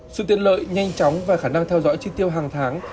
sự tiện lợi nhanh chóng và khả năng theo dõi chi tiêu hàng tháng